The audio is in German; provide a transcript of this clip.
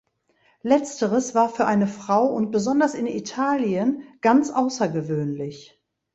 Letzteres war für eine Frau und besonders in Italien ganz außergewöhnlich.